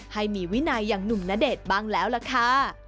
ให้มีวินัยอย่างหนุ่มณเดชน์บ้างแล้วล่ะค่ะ